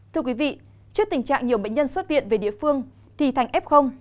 thưa quý vị trước tình trạng nhiều bệnh nhân xuất viện về địa phương thì thành f